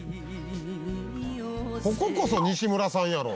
こここそ西村さんやろ。